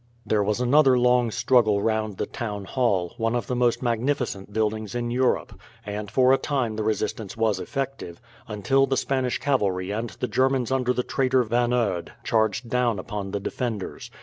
There was another long struggle round the town hall, one of the most magnificent buildings in Europe; and for a time the resistance was effective, until the Spanish cavalry and the Germans under the traitor Van Eude charged down upon the defenders.